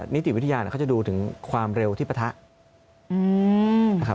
นิติวิทยาเขาจะดูถึงความเร็วที่ปะทะนะครับ